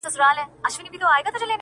چې داسې نظریه وړاندی کړای شې